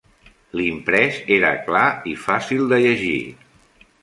L'imprès era clar i fàcil de llegir.